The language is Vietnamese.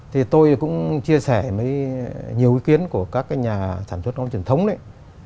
thì tôi cũng chia sẻ với nhiều ý kiến của các nhà sản xuất ngón truyền thống đấy